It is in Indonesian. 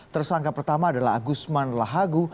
tersangka pertama adalah agusman lahagu